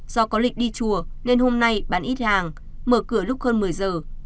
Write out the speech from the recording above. do có lịch đi chùa nên hôm nay bán ít hàng mở cửa lúc hơn một mươi giờ